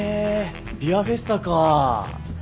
ビアフェスタか。